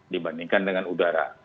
dibandingkan dengan udara